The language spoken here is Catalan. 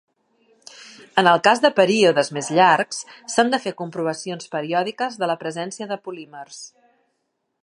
En el cas de períodes més llargs, s'han de fer comprovacions periòdiques de la presència de polímers.